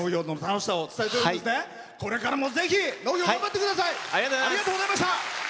これからもぜひ農業、頑張ってください。